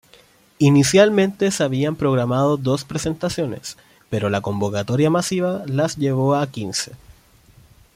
Inicialmente se habían programado dos presentaciones, pero la convocatoria masiva las llevó a quince.